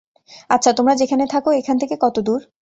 -আচ্ছা, তোমরা যেখানে থাকো এথান থেকে কতদূর?